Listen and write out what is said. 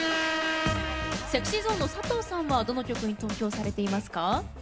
ＳｅｘｙＺｏｎｅの佐藤さんはどの曲に投票されてますか？